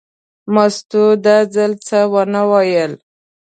مستو دا ځل څه ونه ویل.